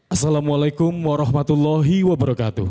assalamu'alaikum warahmatullahi wabarakatuh